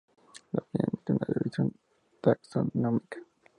La familia necesita una revisión taxonómica.